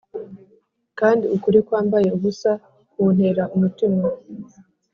kandi ukuri kwambaye ubusa kuntera umutima